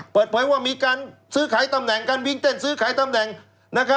เปิดเผยว่ามีการซื้อขายตำแหน่งการวิ่งเต้นซื้อขายตำแหน่ง